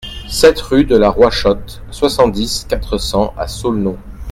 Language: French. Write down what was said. sept rue de la Roichotte, soixante-dix, quatre cents à Saulnot